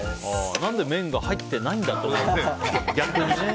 何で麺が入ってないんだって思うよね、逆に。